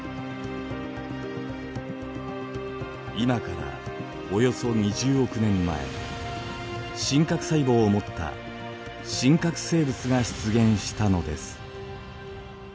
今からおよそ２０億年前真核細胞を持った真核生物が出現したのです。